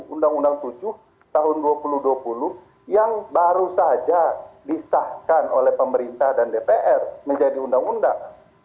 undang undang tujuh tahun dua ribu dua puluh yang baru saja disahkan oleh pemerintah dan dpr menjadi undang undang